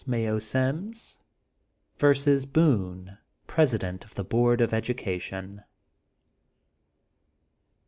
MAYO SIMS; VERSUS BOONB, PRESIDENT OF THB BOARD OF EDUCATION.